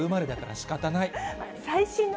しかたない。